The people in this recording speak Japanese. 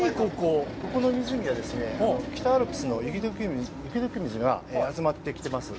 ここの湖はですね、北アルプスの雪解け水が集まってきてます。